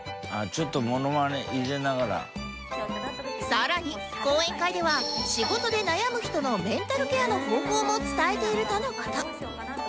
さらに講演会では仕事で悩む人のメンタルケアの方法も伝えているとの事